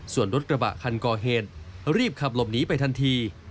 ส่วนรถกระบะคันก่อเหตุรีบขับหลบหนีไปทันที